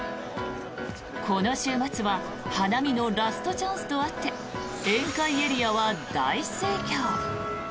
この週末は花見のラストチャンスとあって宴会エリアは大盛況。